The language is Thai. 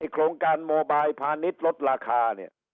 โครงการโมบายพาณิชย์ลดราคาเนี่ย